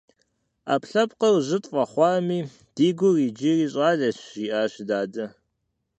- Ӏэпкълъэпкъыр жьы тфӀэхъуами, ди гур иджыри щӀалэщ, - жиӏащ дадэ.